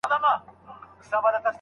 چا د دې موضوع تفصيل ندی بيان کړی؟